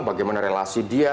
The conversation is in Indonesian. bagaimana relasi dia